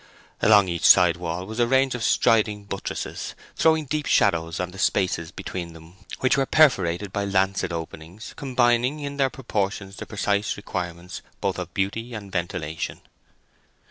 Along each side wall was a range of striding buttresses, throwing deep shadows on the spaces between them, which were perforated by lancet openings, combining in their proportions the precise requirements both of beauty and ventilation.